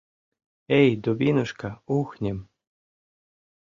Эй, дубинушка, ухнем...